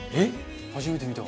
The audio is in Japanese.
初めて見た。